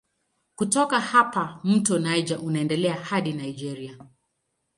Kutoka hapa mto Niger unaendelea hadi Nigeria.